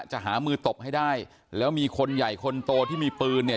หามือตบให้ได้แล้วมีคนใหญ่คนโตที่มีปืนเนี่ย